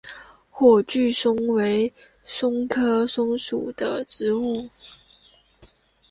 火炬松为松科松属的植物。